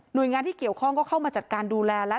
หน่วยงานที่เกี่ยวข้องก็เข้ามาจัดการดูแล